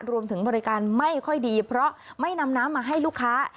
รวมถึงบริการไม่ค่อยดีเพราะไม่นำน้ำมาให้ลูกค้า